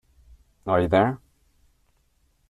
Are you there?